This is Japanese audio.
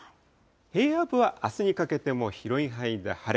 平野部はあすにかけても広い範囲で晴れ。